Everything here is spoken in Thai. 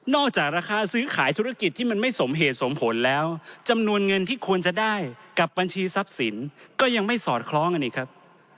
จากราคาซื้อขายธุรกิจที่มันไม่สมเหตุสมผลแล้วจำนวนเงินที่ควรจะได้กับบัญชีทรัพย์สินก็ยังไม่สอดคล้องกันอีกครับ